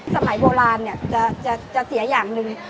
สมัยโบราณจะเสียอย่างนึง